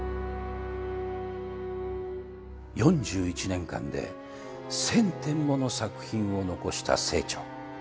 ４１年間で１，０００点もの作品を遺した清張。